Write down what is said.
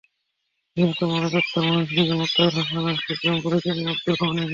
নিহত মালেকা আক্তার ময়মনসিংহের মুক্তাগাছা থানার শিবরামপুর গ্রামের আবদুর রহমানের মেয়ে।